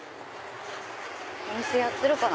お店やってるかな？